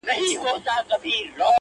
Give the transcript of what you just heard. آذر ته له دې ځايه غر و ښار ته ور وړم!